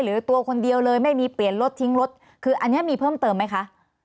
เหลือตัวคนเดียวเลยไม่มีเปลี่ยนรถทิ้งรถคืออันนี้มีเพิ่มเติมไหมคะ